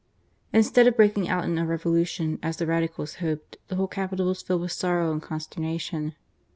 Instead of breaking out in a Revolution, as the Radicals hoped, the whole capital was filled with sorrow and consternation.